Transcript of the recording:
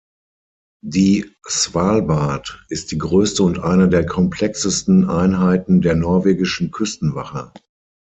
Die "Svalbard" ist die größte und eine der komplexesten Einheiten der norwegischen Küstenwache.